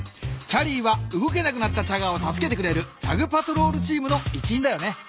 キャリーは動けなくなったチャガーを助けてくれるチャグ・パトロールチームの一員だよね。